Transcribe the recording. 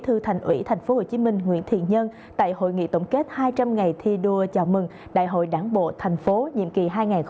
thư thành ủy tp hcm nguyễn thiện nhân tại hội nghị tổng kết hai trăm linh ngày thi đua chào mừng đại hội đảng bộ thành phố nhiệm kỳ hai nghìn hai mươi hai nghìn hai mươi năm